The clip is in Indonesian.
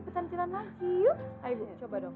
hai bu coba dong